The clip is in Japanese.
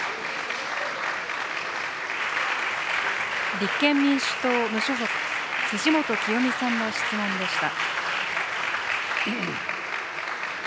立憲民主党・無所属、辻元清美さんの質問でした。